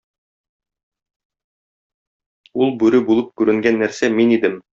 Ул бүре булып күренгән нәрсә мин идем.